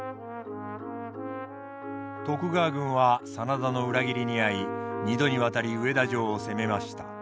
徳川軍は真田の裏切りに遭い２度にわたり上田城を攻めました。